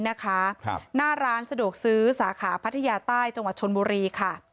หน้าร้านสะดวกซื้อสาขาพัทยาใต้จังหวัดชนบุรีค่ะ